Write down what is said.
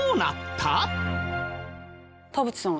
田渕さん